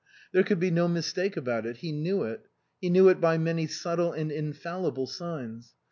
There could be no mistake about it ; he knew it ; he knew it by many subtle and infallible signs.